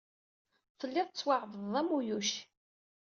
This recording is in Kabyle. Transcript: Tellid tettwaɛebded am uyuc.